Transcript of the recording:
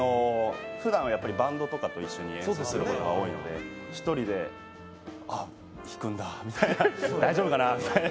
ふだんはバンドとかと一緒にやることが多いので１人で弾くんだみたいな、大丈夫かなみたいな。